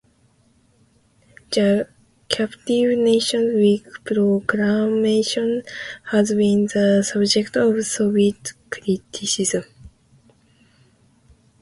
The Captive Nations Week proclamation has been the subject of Soviet criticism.